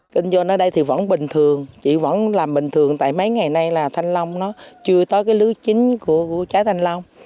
kinh doanh ở đây thì vẫn bình thường chị vẫn làm bình thường tại mấy ngày nay là thanh long nó chưa tới cái lưới chính của trái thanh long